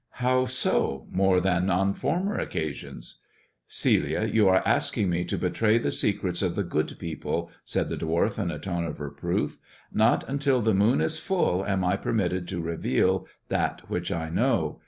" How so, more than on former occasions 1 "" Celia, you are asking me to betray the secrets of the good people," said the dwarf in a tone of reproof. " Not until the moon is full am I permitted to reveal that which I know.